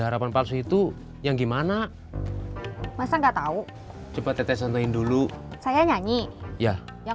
harapan palsu itu yang gimana masa nggak tahu cepet cepat santai dulu saya nyanyi ya jangan